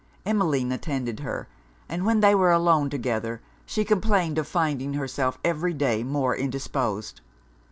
Emmeline attended her; and when they were alone together, she complained of finding herself every day more indisposed.